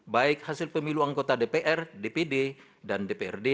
baik hasil pemilu anggota dpr dpd dan dprd